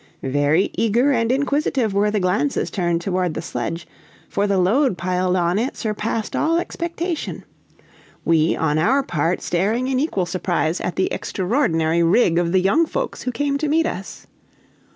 Very eager and inquisitive were the glances turned toward the sledge, for the load piled on it surpassed all expectation; we on our part staring in equal surprise at the extraordinary rig of the young folks who came to meet us.